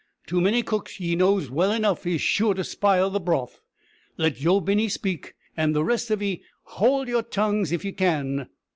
Too many cooks, ye knows well enough, is sure to spile the broth. Let Joe Binney speak, and the rest of 'ee howld yer tongues, if ye can."